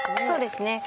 そうですね。